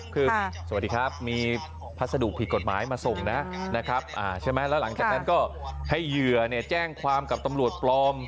คือสวัสดีครับมีพัสดุผิดกฎหมายมาส่งนะนะครับใช่ไหมแล้วหลังจากนั้นก็ให้เหยื่อแจ้งความกับตำรวจปลอม